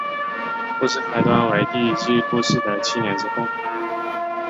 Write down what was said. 故事开端为第一季故事的七年之后。